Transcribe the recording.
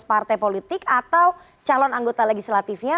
partai politik atau calon anggota legislatifnya